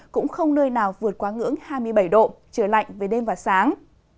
cũng không nơi nào vượt quá ngưỡng hai mươi bảy độ trời lạnh về đêm và sáng